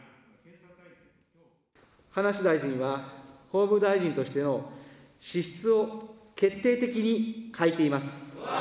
葉梨大臣は法務大臣としての資質を決定的に欠いています。